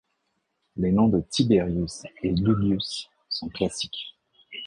Les noms de Tiberius et Iulius sont classiques.